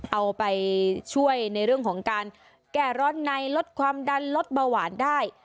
เอาไปช่วยในเรื่องของการแก้ร้อนในลดความดันลดเบาหวานได้